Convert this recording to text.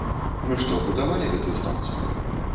Мы што, будавалі гэтую станцыю?